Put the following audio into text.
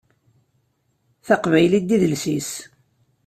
Taqbaylit d idles-is.